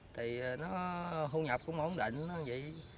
thì nó hữu nhập cũng ổn định nó như vậy